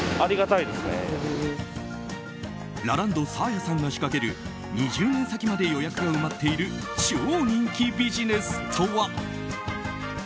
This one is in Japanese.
ラランドサーヤさんが仕掛ける２０年先まで予約が埋まっている超人気ビジネスとは。